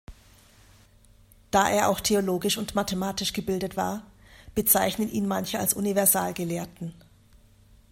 Da er auch theologisch und mathematisch gebildet war, bezeichnen ihn manche als Universalgelehrten.